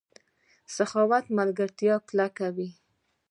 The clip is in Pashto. سخاوت ملګرتیا کلکوي.